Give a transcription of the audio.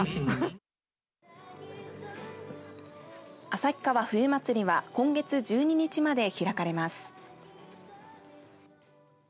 旭川冬まつりは今月１２日まで開かれます。